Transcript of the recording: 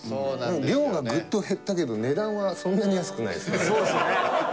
量がグッと減ったけど値段はそんなに安くないですね。